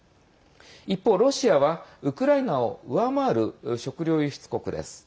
一方、ロシアはウクライナを上回る食糧輸出国です。